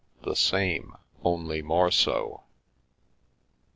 The same, only more so."